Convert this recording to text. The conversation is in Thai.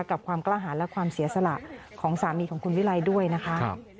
กับความกล้าหารและความเสียสละของสามีของคุณวิรัยด้วยนะคะ